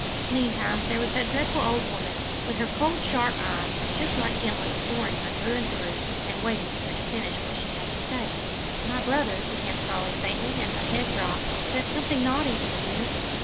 Meantime there was that dreadful old woman, with her cold, sharp eyes just like gimlets boring her through and through, and waiting for her to finish what she had to say. "My brother," began Polly, faintly, and her head dropped, "said something naughty to you."